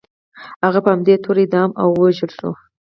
هغه په همدې تور اعدام او ووژل شو.